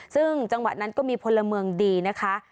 ซึ่งจังหวะนั้นก็มีพลเมืองดีนะคะ